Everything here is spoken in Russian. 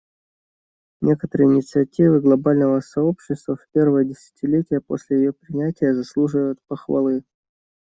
Некоторые инициативы глобального сообщества в первое десятилетие после ее принятия заслуживают похвалы.